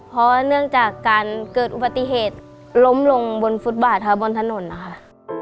เพราะว่าเนื่องจากการเกิดอุบัติเหตุล้มลงบนฟุตบาทค่ะบนถนนนะคะ